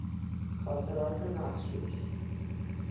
خاطرات مغشوش